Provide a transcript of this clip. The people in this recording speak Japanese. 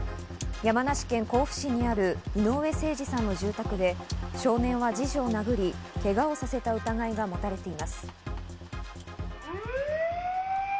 山梨県甲府市にある井上盛司さんの住宅で少年は次女を殴り、けがをさせた疑いが持たれています。